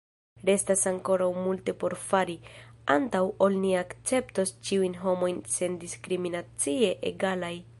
Restas ankoraŭ multe por fari, antaŭ ol oni akceptos ĉiujn homojn sendiskriminacie egalaj.